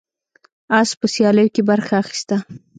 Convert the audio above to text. اس په سیالیو کې برخه اخیسته.